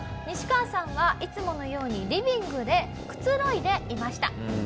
ニシカワさんはいつものようにリビングでくつろいでいました。